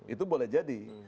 itu boleh jadi